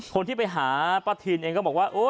คนที่ไปหาป้าทินเองก็บอกว่า